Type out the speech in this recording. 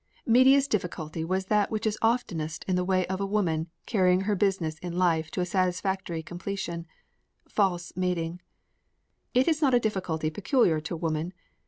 Medea's difficulty was that which is oftenest in the way of a woman carrying her business in life to a satisfactory completion false mating. It is not a difficulty peculiar to woman.